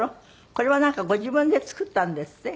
これはご自分で作ったんですって？